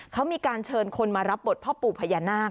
เขามีการเชิญคนมารับบทพ่อปู่พญานาค